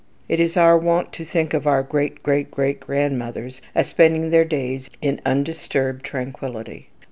It is our wont to think of our great great great grandmothers as spending their days in undisturbed tranquillity.